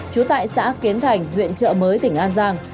chú tại xã kiến thành huyện chợ mới tỉnh an giang